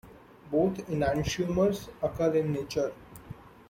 Both enantiomers occur in nature.